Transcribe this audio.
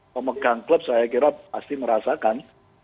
pemegang klub saya kira pasti merasakan